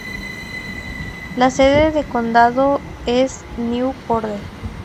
La sede del condado es New Cordell.